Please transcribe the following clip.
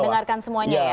dengarkan semuanya ya